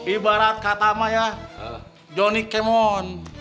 ibarat kata ama ya jonny kemon